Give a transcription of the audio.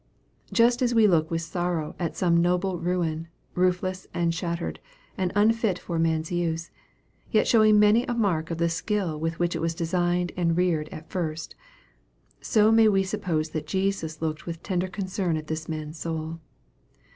Just as we look with sorrow at some noble ruin, roofless, and shattered, and unfit for man's use, yet showing many a mark of the skill with which it was designed and reared at first, so may we suppose that Jesus looked with tender concern at this man's soul.